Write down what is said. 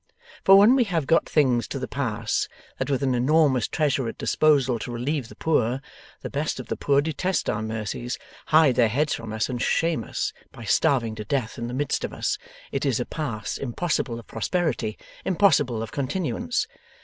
For when we have got things to the pass that with an enormous treasure at disposal to relieve the poor, the best of the poor detest our mercies, hide their heads from us, and shame us by starving to death in the midst of us, it is a pass impossible of prosperity, impossible of continuance.